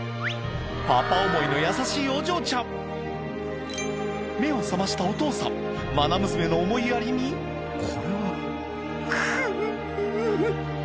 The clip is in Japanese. パパ思いの優しいお嬢ちゃん目を覚ましたお父さんまな娘の思いやりにこれはクゥ。